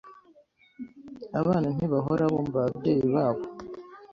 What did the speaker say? Abana ntibahora bumva ababyeyi babo.